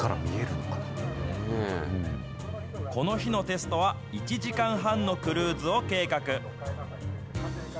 この日のテストは１時間半のクルーズを計画。